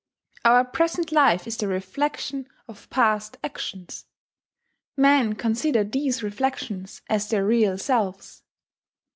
Our present life is the reflection of past actions. Men consider these reflections as their real selves.